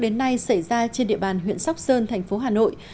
đến nay xảy ra trên địa bàn huyện sóc sơn thành phố hà nội